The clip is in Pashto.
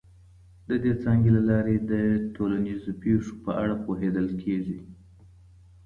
د دې څانګې له لاري د ټولنیزو پیښو په اړه پوهیدل کیږي.